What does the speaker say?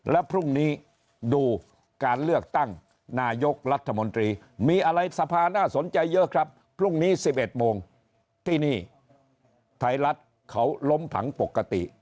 แล้วพรุ่งนี้ดูการเลือกตั้งนายกรัฐมนตรีมีอะไรสภาน่าสนใจเยอะครับพรุ่งนี้๑๑โมงที่นี่ไทยรัฐเขาล้มผังปกติ